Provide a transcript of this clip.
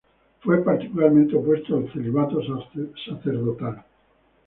Fue particularmente opuesto al celibato sacerdotal".